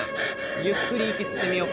ゆっくり息吸ってみようか。